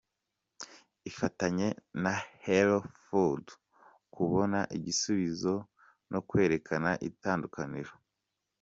Ifatanye na hellofood kubona igisubizo no kwerekana itandukaniro.